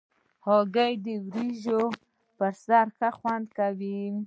هګۍ د وریجو پر سر ښه خوند کوي.